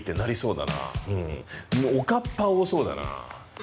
おかっぱ多そうだな。